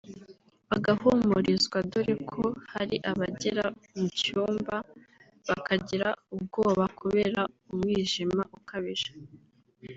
bagahumurizwa dore ko hari abagera mu cyumba bakagira ubwoba kubera umwijima ukabije